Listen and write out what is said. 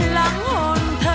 lắm hôn thơ